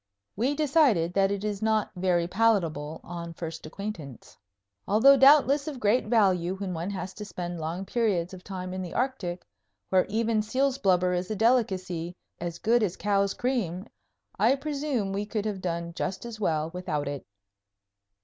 We decided that it is not very palatable on first acquaintance. Although doubtless of great value when one has to spend long periods of time in the Arctic, where even seal's blubber is a delicacy "as good as cow's cream," I presume we could have done just as well without it.